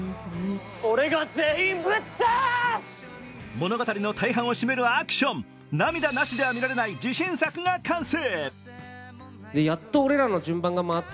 物語の大半を占めるアクション、涙なしでは見られない自信作が完成。